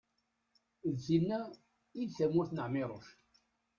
d tin-a i d tamurt n ԑmiruc